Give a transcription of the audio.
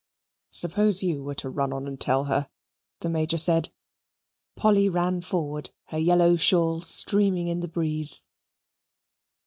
"Suppose you were to run on and tell her," the Major said. Polly ran forward, her yellow shawl streaming in the breeze.